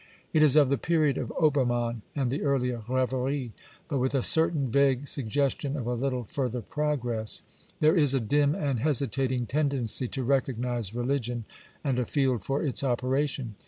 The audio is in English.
It is of the period of Obermann and the earlier Reveries, but with a certain vague suggestion of a little further progress. There is a dim and hesitating tendency to recognise religion and a field for its operation.